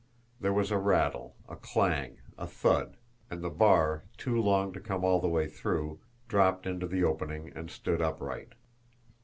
There was a rattle, a clang, a thud and the bar, too long to come all the way through, dropped into the opening and stood upright.